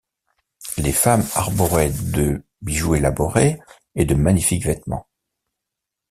Les femmes arboraient de bijoux élaborés et de magnifiques vêtements.